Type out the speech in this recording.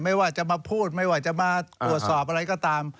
ไม่ว่าจะมาพูดไม่ว่าจะมาตรวจสอบอะไรก็ตาม